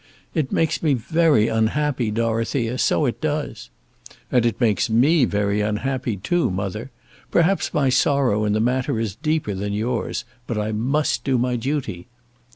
"It makes me very unhappy, Dorothea; so it does." "And it makes me very unhappy, too, mother. Perhaps my sorrow in the matter is deeper than yours. But I must do my duty."